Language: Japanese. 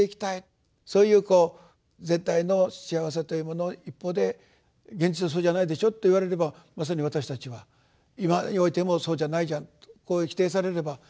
そういうこう全体の幸せというものの一方で「現実はそうじゃないでしょ」と言われればまさに私たちは今においても「そうじゃないじゃん」とこう否定されればまさにそうですけど。